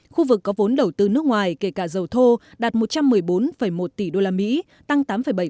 khu vực có vốn đầu tư nước ngoài kể cả dầu thô đạt một trăm một mươi bốn một tỷ usd tăng tám bảy